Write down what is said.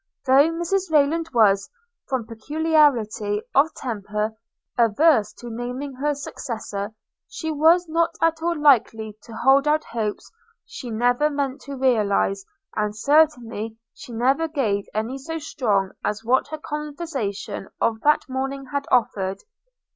Though Mrs Rayland was, from peculiarity of temper, averse to naming her successor, she was not at all likely to hold out hopes she never meant to realize, and certainly she never gave any so strong as what her conversation of that morning had offered.